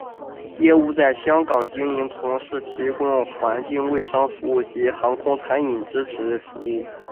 业务在香港经营从事提供环境卫生服务及航空餐饮支持服务。